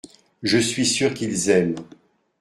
Je suis sûr qu’ils aiment.